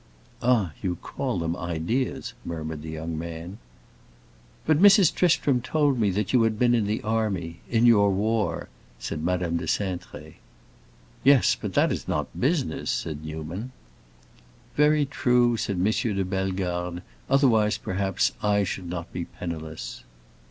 "Ah, you call them ideas," murmured the young man. "But Mrs. Tristram told me you had been in the army—in your war," said Madame de Cintré. "Yes, but that is not business!" said Newman. "Very true!" said M. de Bellegarde. "Otherwise perhaps I should not be penniless."